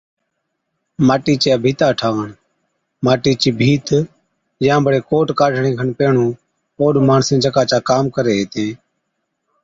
ماٽِي چِيا ڀِيتا ٺاهوَڻ، ماٽِي چِي ڀيت يان بڙي ڪوٽ ڪاڍڻي کن پيهڻُون اوڏ ماڻسين جڪا چا ڪام ڪرين هِتين